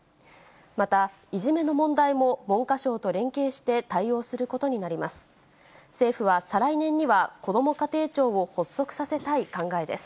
またいじめの問題も文科省と連携して対応することになります。